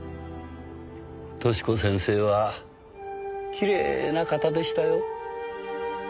寿子先生はきれいな方でしたよ。